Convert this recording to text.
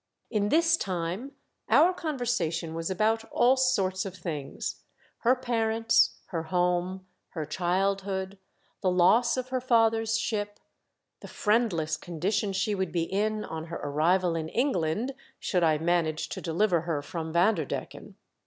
192 THE DEATH SHIP, In this time our conversation was about all sorts of things — her parents, her home, her childhood, the loss of her father's ship, the friendless condition she would be in on her arrival in England should I manage to deliver her from Vanderdecken.